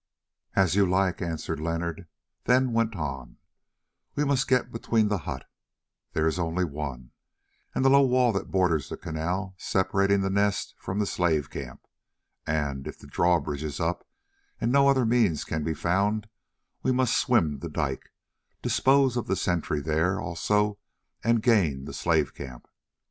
"As you like," answered Leonard, then went on: "we must get between the hut, there is only one, and the low wall that borders the canal separating the Nest from the slave camp, and, if the drawbridge is up and no other means can be found, we must swim the dike, dispose of the sentry there also and gain the slave camp.